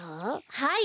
はい。